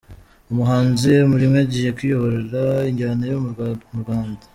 Umuhanzi M rimwe agiye kuyobora injyana yo mu Rwanda